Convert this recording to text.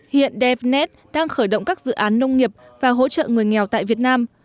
hiện depedte đang khởi động các dự án nông nghiệp và hỗ trợ người nghèo tại việt nam